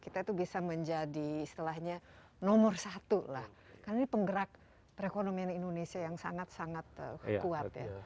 kita itu bisa menjadi istilahnya nomor satu lah karena ini penggerak perekonomian indonesia yang sangat sangat kuat ya